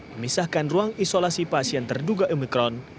memisahkan ruang isolasi pasien terduga omikron